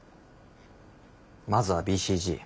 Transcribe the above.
まずはＢＣＧ。